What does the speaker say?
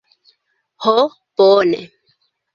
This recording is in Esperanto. Ho, bone.